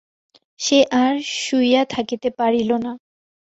সে আর শুইয়া থাকিতে পারিল না।